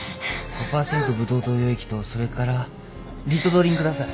５パーセントブドウ糖溶液とそれからリトドリンください。